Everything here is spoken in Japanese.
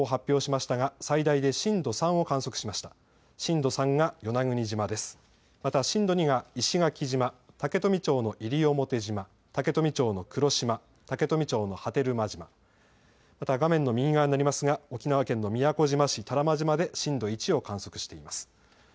また震度２が石垣島、竹富町の西表島、竹富町の黒島、竹富町の波照間島、また画面の右側になりますが沖縄県の宮古島市多良間島で震度１を観測しています。